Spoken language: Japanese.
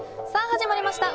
始まりました